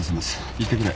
行ってくれ。